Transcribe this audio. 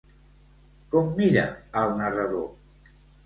Com mira al narrador?